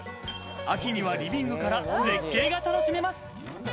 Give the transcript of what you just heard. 秋にはリビングから絶景が楽しめます。